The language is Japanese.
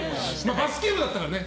バスケ部だったからね。